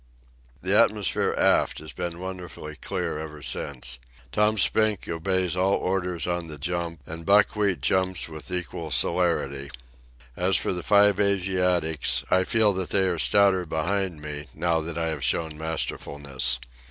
The atmosphere aft has been wonderfully clear ever since. Tom Spink obeys all orders on the jump, and Buckwheat jumps with equal celerity. As for the five Asiatics, I feel that they are stouter behind me now that I have shown masterfulness.